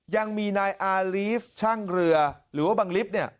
ยังมีนายอารีฟช่างเรือหรือว่าบังลิฟต์เนี่ย